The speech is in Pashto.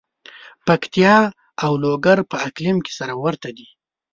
پکتیا او لوګر په اقلیم کې سره ورته دي.